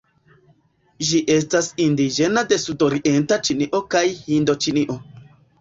Ĝi estas indiĝena de sudorienta Ĉinio kaj Hindoĉinio.